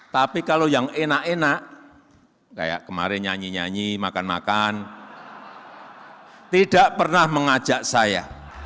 tapi kalau yang enak enak kayak kemarin nyanyi nyanyi makan makan tidak pernah mengajak saya